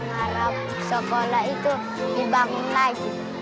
harap sekolah itu dibangun lagi